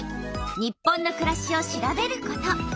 「日本のくらし」を調べること。